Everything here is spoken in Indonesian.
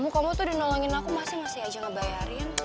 kamu tuh udah nolongin aku masih aja ngebayarin